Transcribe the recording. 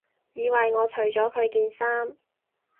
以為我除咗佢件衫